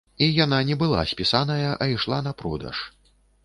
І яна не была спісаная, а ішла на продаж.